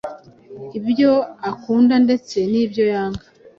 ibyo akunda ndetse n’ibyo yanga